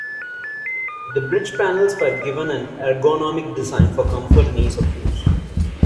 The bridge panels were given an ergonomic design for comfort and ease of use.